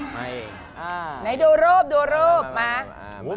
ไหนดูรูปดูรูปมา